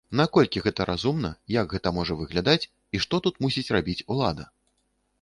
Наколькі гэта разумна, як гэта можа выглядаць і што тут мусіць рабіць улада?